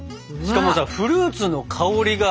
しかもさフルーツの香りが。